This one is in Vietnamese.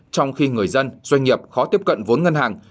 trong khi người dân doanh nghiệp khó tiếp cận vốn ngân hàng